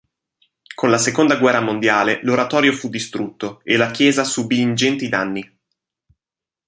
Con la seconda guerra mondiale l'oratorio fu distrutto e la chiesa subì ingenti danni.